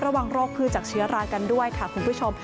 ระวังโรคพืชจากเชื้อรากันด้วยค่ะคุณผู้ชม